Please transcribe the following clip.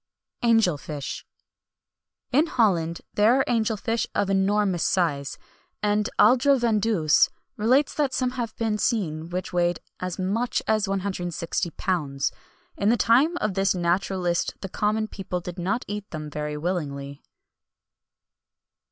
ANGEL FISH. In Holland there are angel fish of enormous size;[XXI 197] and Aldrovandus relates that some have been seen which weighed as much as 160 lbs.[XXI 198] In the time of this naturalist the common people did not eat them very willingly.